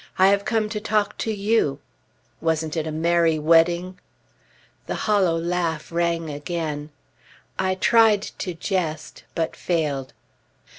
I have come to talk to you. Wasn't it a merry wedding?" The hollow laugh rang again. I tried to jest, but failed.